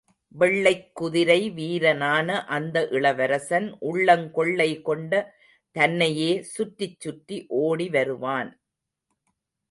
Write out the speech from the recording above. வெள்ளைக் குதிரை வீரனான அந்த இளவசரன் உள்ளங் கொள்ளை கொண்ட தன்னையே சுற்றிச் சுற்றி ஓடி வருவான்.